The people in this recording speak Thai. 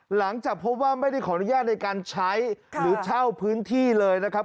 หลังจากพบว่าไม่ได้ขออนุญาตในการใช้หรือเช่าพื้นที่เลยนะครับ